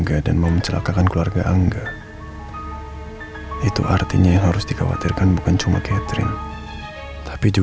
ada orang yang serang catherine